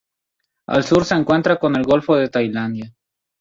Al sur se encuentra con el golfo de Tailandia.